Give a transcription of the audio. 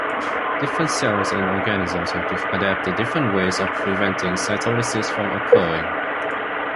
Different cells and organisms have adapted different ways of preventing cytolysis from occurring.